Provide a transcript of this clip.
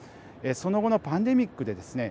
その後のパンデミックでですね